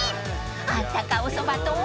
［あったかおそばと］